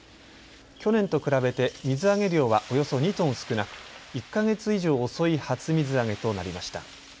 去年と比べて水揚げ量はおよそ２トン少なく１か月以上遅い初水揚げとなりました。